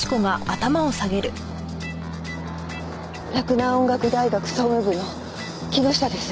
洛南音楽大学総務部の木下です。